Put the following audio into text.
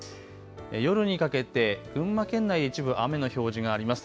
夜にかけて、群馬県内、一部雨の表示があります。